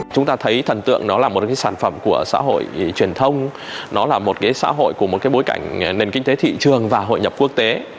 chúng ta thấy thần tượng nó là một cái sản phẩm của xã hội truyền thông nó là một cái xã hội của một cái bối cảnh nền kinh tế thị trường và hội nhập quốc tế